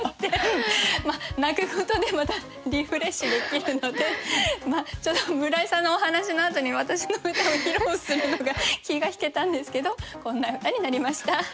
泣くことでまたリフレッシュできるのでちょっと村井さんのお話のあとに私の歌を披露するのが気が引けたんですけどこんな歌になりました。